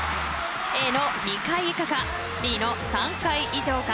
Ａの２回以下かＢの３回以上か。